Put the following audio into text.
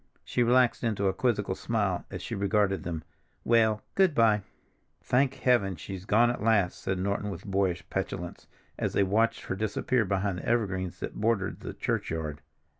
She relaxed into a quizzical smile as she regarded them. "Well, good by." "Thank Heaven! she's gone at last," said Norton with boyish petulance, as they watched her disappear behind the evergreens that bordered the churchyard.